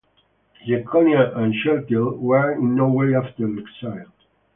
Jeconiah and Shealtiel were in no way after the exile.